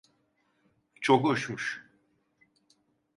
Çok hoşmuş.